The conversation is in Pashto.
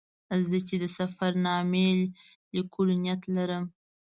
زه چې د سفر نامې لیکلو نیت لرم.